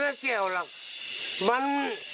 ห่วงเหล้าเข้นมาเอ่ย